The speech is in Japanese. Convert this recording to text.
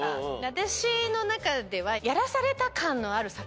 私の中では。